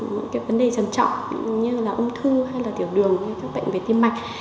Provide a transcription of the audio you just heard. những cái vấn đề trầm trọng như là ung thư hay là tiểu đường hay các bệnh về tim mạch